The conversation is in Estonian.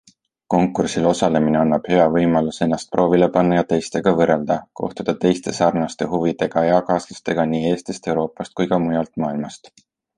Konkursil osalemine annab hea võimaluse ennast proovile panna ja teistega võrrelda, kohtuda teiste sarnaste huvidega eakaaslastega nii Eestist, Euroopast kui ka mujalt maailmast.